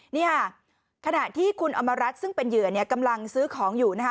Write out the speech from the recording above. นี่ค่ะขณะที่คุณอำมารัฐซึ่งเป็นเหยื่อเนี่ยกำลังซื้อของอยู่นะคะ